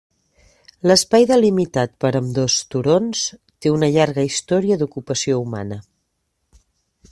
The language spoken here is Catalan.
L'espai delimitat per ambdós turons té una llarga història d'ocupació humana.